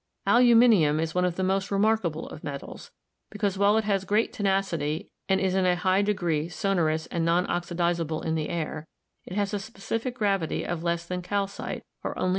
Aluminium is one of the most remarkable of metals, be cause while it has great tenacity and is in a high degree sonorous and non oxidizable in the air, it has a specific gravity of less that calcite, or only 2.